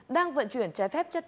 đang vận chuyển trái phép chất lượng